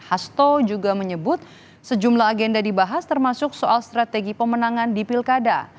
hasto juga menyebut sejumlah agenda dibahas termasuk soal strategi pemenangan di pilkada